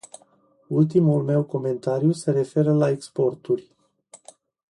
Ultimul meu comentariu se referă la exporturi.